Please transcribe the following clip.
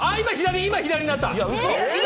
今、左になった！